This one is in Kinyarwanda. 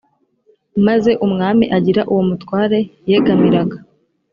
maze umwami agira uwo mutware yegamiraga